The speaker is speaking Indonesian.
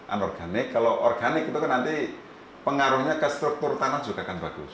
anorganik kalau organik itu kan nanti pengaruhnya ke struktur tanah juga akan bagus